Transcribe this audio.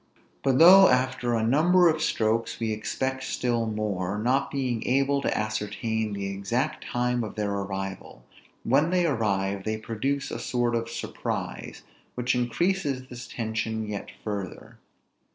But though after a number of strokes, we expect still more, not being able to ascertain the exact time of their arrival, when they arrive, they produce a sort of surprise, which increases this tension yet further.